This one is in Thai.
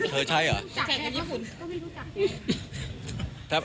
เธอใช้เหรอ